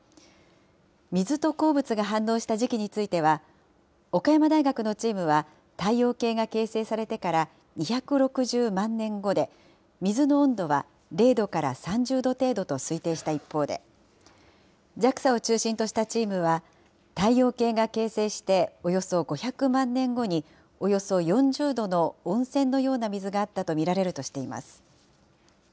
水と鉱物が反応した時期については、岡山大学のチームは太陽系が形成されてから２６０万年後で、水の温度は０度から３０度程度と推定した一方で、ＪＡＸＡを中心としたチームは、太陽系が形成しておよそ５００万年後に、およそ４０度の温泉のような水があったと見られるとしています。